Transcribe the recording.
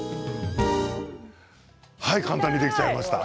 簡単にできちゃいました。